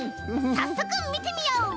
さっそくみてみよう。